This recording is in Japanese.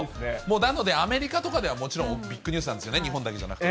なので、アメリカとかではもちろん、ビッグニュースなんですよね、日本だけじゃなくて。